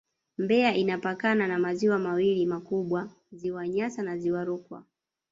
Mbeya inapakana na maziwa mawili makubwa Ziwa Nyasa na Ziwa Rukwa